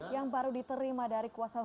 yang baru diterima dari kutipan